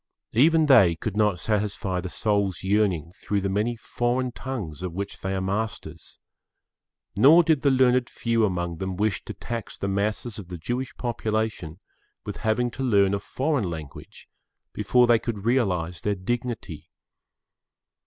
Even they could not satisfy the soul's yearning through the many foreign tongues of which they are masters; nor did[Pg 9] the learned few among them wish to tax the masses of the Jewish population with having to learn a foreign language before they could realise their dignity.